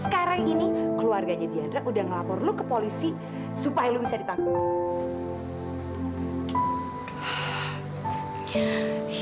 sekarang ini keluarganya dianra udah ngelapor lo ke polisi supaya lo bisa ditangkap